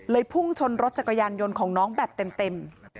พุ่งชนรถจักรยานยนต์ของน้องแบบเต็ม